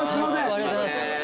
ありがとうございます！